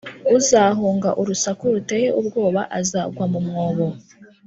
Uzahunga urusaku ruteye ubwoba, azagwa mu mwobo;